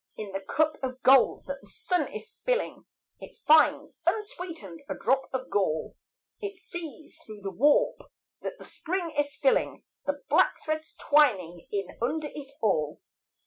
In the cup of gold that the sun is spilling It finds, unsweetened, a drop of gall; It sees through the warp that the Spring is filling, The black threads twining in under it all.